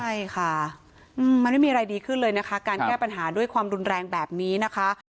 ใช่ค่ะมันไม่มีอะไรดีขึ้นเลยนะคะการแก้ปัญหาด้วยความรุนแรงแบบนี้นะคะ